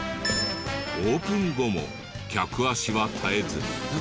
オープン後も客足は絶えず。